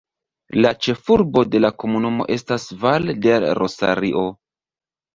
La ĉefurbo de la komunumo estas Valle del Rosario.